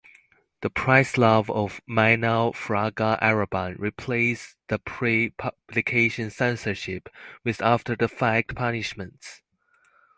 The Press Law of Manuel Fraga Iribarne replaced the pre-publication censorship with after-the-fact punishments.